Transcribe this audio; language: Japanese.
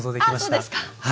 あそうですか。